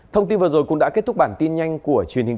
thông tin vừa rồi cũng đã kết thúc bản tin nhanh của truyền hình